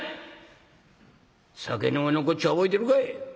酒の上のこっちゃ覚えてるかい！